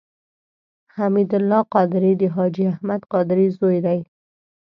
حمید الله قادري د حاجي احمد قادري زوی دی.